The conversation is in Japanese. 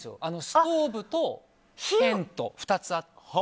ストーブとテント、２つあって。